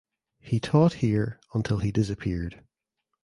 He taught here until he disappeared.